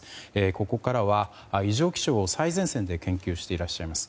ここからは異常気象を最前線で研究していらっしゃいます